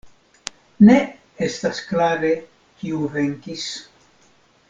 Ne estas klare kiu venkis.